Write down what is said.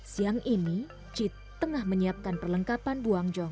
siang ini cid tengah menyiapkan perlengkapan buangjong